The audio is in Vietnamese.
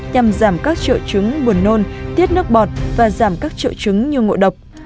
nhằm giảm các trợ chứng buồn nôn tiết nước bọt và giảm các trợ chứng như ngộ độc